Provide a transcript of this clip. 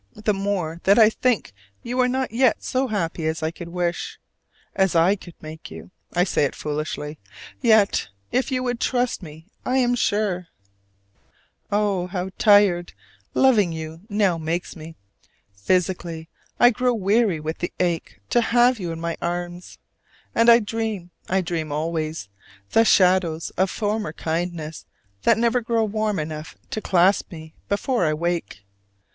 the more that I think you are not yet so happy as I could wish, as I could make you, I say it foolishly: yet if you would trust me, I am sure. Oh, how tired loving you now makes me! physically I grow weary with the ache to have you in my arms. And I dream, I dream always, the shadows of former kindness that never grow warm enough to clasp me before I wake.